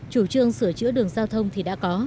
chủ trương sửa chữa đường giao thông thì đã có